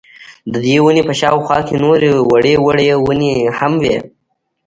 ددې وني په شاوخوا کي نوري وړې وړې وني هم وې